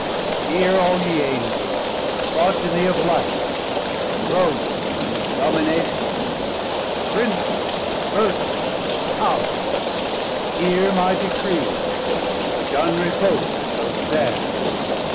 Hear all ye Angels, Progenie of Light, 600 Thrones, Dominations, Princedoms, Vertues, Powers, Hear my Decree, which unrevok't shall stand.